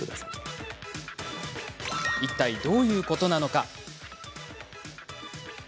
いったいどういうことなのか。